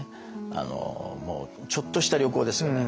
もうちょっとした旅行ですよね。